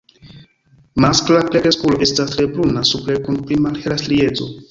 Maskla plenkreskulo estas tre bruna supre kun pli malhela strieco.